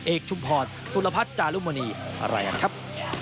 เอกชุมพรสุรพัชย์จารุมณีมากันครับ